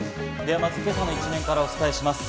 まず今朝の一面からお伝えします。